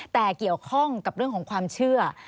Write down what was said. แต่เกี่ยวข้องกับเรื่องของความเชื่อ